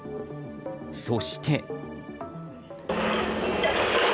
そして。